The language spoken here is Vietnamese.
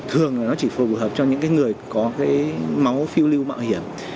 thường là nó chỉ phù hợp cho những cái người có cái máu phiêu lưu mạo hiểm